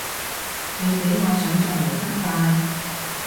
你比我想像嚟得快